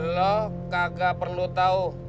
lo kagak perlu tau